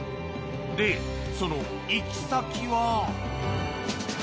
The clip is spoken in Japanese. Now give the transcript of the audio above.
で、その行き先は。